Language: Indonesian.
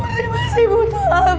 bu erni masih butuh abang